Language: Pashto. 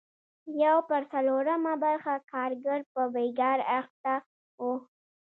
یو پر څلورمه برخه کارګر په بېګار اخته وو.